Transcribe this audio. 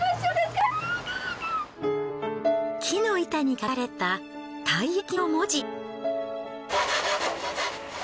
木の板に書かれたたいやきの文字。